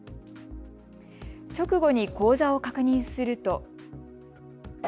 直後に口座を確認すると。